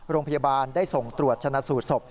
โรงพยาบาลได้ส่งตรวจชนะสูตรศพ